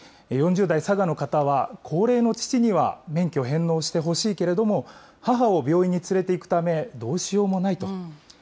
４０代、佐賀の方は、高齢の父には免許返納してほしいけれども、母を病院に連れていくためどうしようもないと。